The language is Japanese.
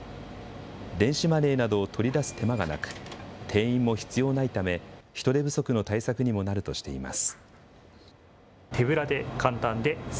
電子マネーなどを取り出す手間がなく、店員も必要ないため、人手不足の対策にもなるとしています。